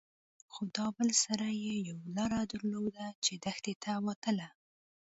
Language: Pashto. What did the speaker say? خو دا بل سر يې يوه لاره درلوده چې دښتې ته وتله.